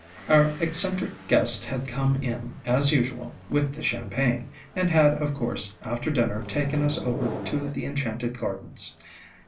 Our eccentric guest had come in, as usual, with the champagne, and had of course, after dinner, taken us over to the enchanted gardens.